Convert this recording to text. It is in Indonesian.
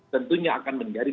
tentunya akan menjadi